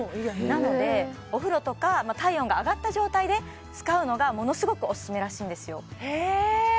なのでお風呂とか体温が上がった状態で使うのがものすごくオススメらしいんですよへえ